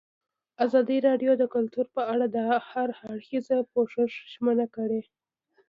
ازادي راډیو د کلتور په اړه د هر اړخیز پوښښ ژمنه کړې.